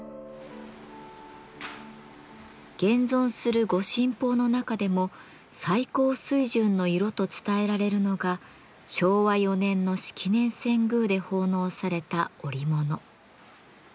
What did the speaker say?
現存する御神宝の中でも「最高水準の色」と伝えられるのが昭和４年の式年遷宮で奉納された織物。